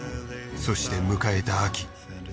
そして迎えた秋。